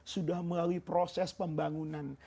sudah melalui proses pembangunan